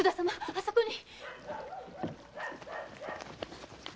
あそこに。